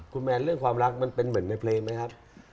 คุณแมนเรื่องความรักมันเป็นเหมือนในเพลงไหมครับ